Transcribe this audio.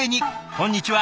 こんにちは。